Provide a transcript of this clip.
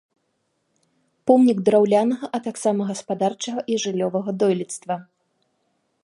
Помнік драўлянага, а таксама гаспадарчага і жыллёвага дойлідства.